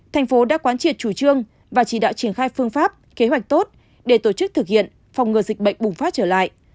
thành phố đã quán triệt chủ trương và chỉ đạo triển khai phương pháp kế hoạch tốt để tổ chức thực hiện phòng ngừa dịch bệnh bùng phát trở lại